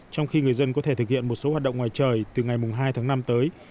trong khi người dân có thể thực hiện một số hoạt động ngoài trời từ ngày hai tháng năm tới